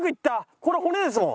これ骨ですもん。